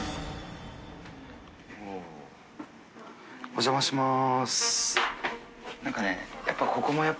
お邪魔します。